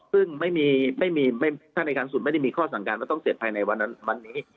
ซึ่งถ้าในทางสุดไม่ได้มีข้อสั่งการว่าต้องเสร็จภายในวันนี้